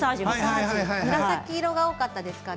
紫色が多かったですね